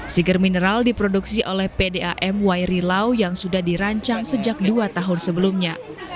siger mineral diproduksi oleh pdam wairi lau yang sudah dirancang sejak dua tahun sebelumnya